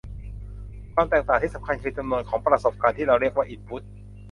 ความแตกต่างที่สำคัญ คือ จำนวนของประสบการณ์ ที่เราเรียกว่าอินพุท